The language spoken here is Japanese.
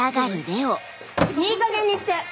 いいかげんにして！